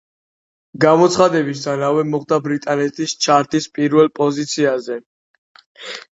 გამოცემისთანავე მოხვდა ბრიტანეთის ჩარტის პირველ პოზიციაზე.